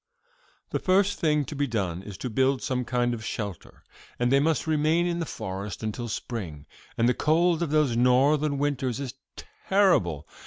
"'The first thing to be done is to build some kind of shelter, for they must remain in the forest until spring, and the cold of those Northern winters is terrible.